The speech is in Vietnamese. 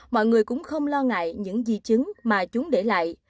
mọi người cũng không lo ngại những di chứng mà chúng để lại